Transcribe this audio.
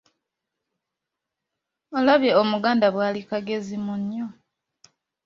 Olabye Omuganda bwali “kagezi munnyo?